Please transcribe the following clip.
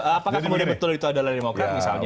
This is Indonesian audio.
apakah kemudian betul itu adalah demokrat misalnya